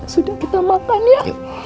sudah kita makan ya